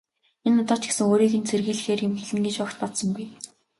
Энэ удаа ч гэсэн өөрийг нь сэрхийлгэхээр юм хэлнэ гэж огт бодсонгүй.